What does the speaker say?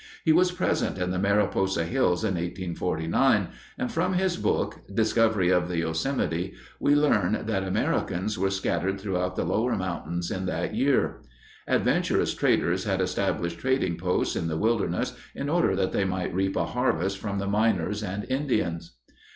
He was present in the Mariposa hills in 1849, and from his book, Discovery of the Yosemite, we learn that Americans were scattered throughout the lower mountains in that year. Adventurous traders had established trading posts in the wilderness in order that they might reap a harvest from the miners and Indians.